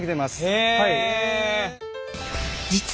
へえ。